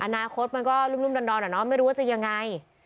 อนาคตมันก็รุ่มดอนไม่รู้ว่าจะยังไง